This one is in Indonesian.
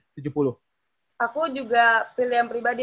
aku juga pilihan pribadi